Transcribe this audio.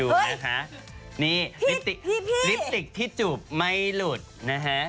คะนี่ลิปติกที่จูบไม่หลุดนะฮะ